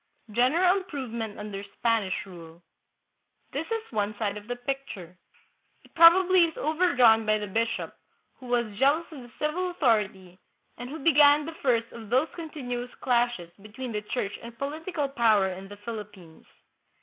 General Improvement under Spanish Rule. This is one side of the picture. It probably is overdrawn by the bishop, who w r as jealous of the civil authority and who began the first of those continuous clashes between the 1 Relacidn, pp. 13, 14. 166 THE PHILIPPINES. church and political power in the Philippines.